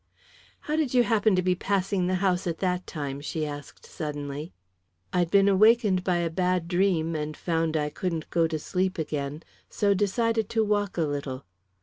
"How did you happen to be passing the house at that time?" she asked suddenly. "I'd been awakened by a bad dream and found I couldn't go to sleep again, so decided to walk a little.